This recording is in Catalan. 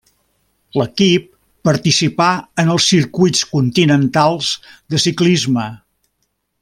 L'equip participà en els Circuits continentals de ciclisme.